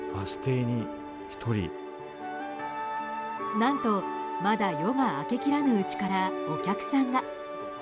何と、まだ夜が明けきらぬうちからお客さんが。